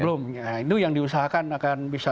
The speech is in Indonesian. belum ya itu yang diusahakan akan bisa